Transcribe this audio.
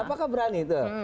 apakah berani tuh